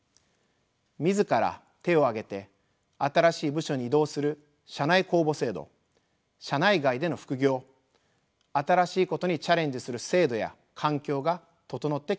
自ら手を挙げて新しい部署に移動する社内公募制度社内外での副業新しいことにチャレンジする制度や環境が整ってきました。